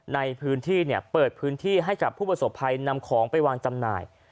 ในพื้นที่เปิดพื้นที่ให้กับผู้ประสบภัยนำของไปวางจำหน่าย